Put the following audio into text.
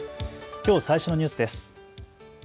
きょう最初のニュースです。